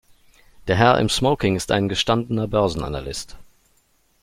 Der Herr im Smoking ist ein gestandener Börsenanalyst.